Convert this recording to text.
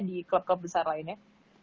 di klub klub besar lainnya